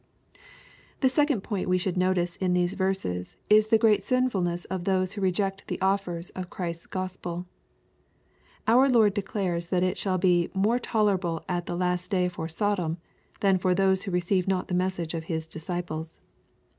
The second point we should notice in these verses is the great sinfulness of those who r^ect the offers of Chrisfs Gospel. Our Lord declares that it shall be "more tolerable at the last day for Sodom/' than for those who receive not the message of His disciples.